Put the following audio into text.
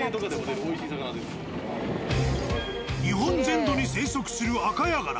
日本全土に生息するアカヤガラ。